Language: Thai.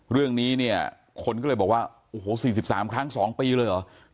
เรื่องนี้เนี่ยคนก็เลยบอกว่าโอ้โห๔๓ครั้ง๒ปีเลยเหรอ